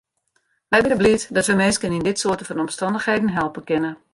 Wy binne bliid dat wy minsken yn dit soarte fan omstannichheden helpe kinne.